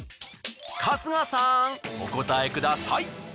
お答えください。